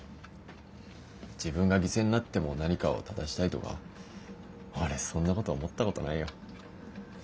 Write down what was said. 自分が犠牲になっても何かを正したいとか俺そんなこと思ったことないよ。